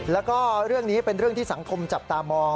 แล้วก็เรื่องนี้เป็นเรื่องที่สังคมจับตามอง